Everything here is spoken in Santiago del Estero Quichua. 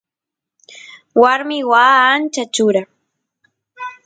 warmi waa ancha chura